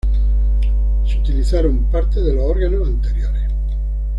Se utilizaron partes de los órganos anteriores.